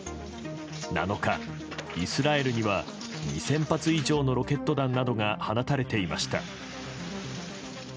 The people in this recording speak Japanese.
７日、イスラエルには２０００発以上のロケット弾などが放たれていました。